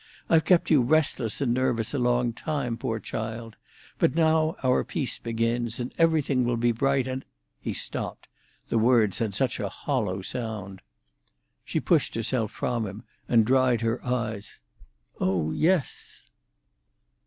I've kept you restless and nervous a long time, poor child; but now our peace begins, and everything will be bright and—" He stopped: the words had such a very hollow sound. She pushed herself from him, and dried her eyes. "Oh yes."